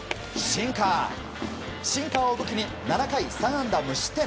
シンカーを武器に７回３安打無失点。